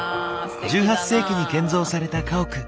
１８世紀に建造された家屋。